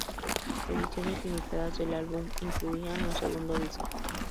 Ediciones limitadas del álbum incluían un segundo disco.